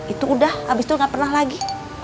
itu udah abis itu gak pernah lagi